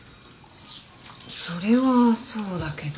それはそうだけど。